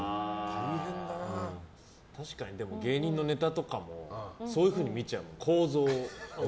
でも芸人のネタとかもそういうふうに見ちゃう、構造を。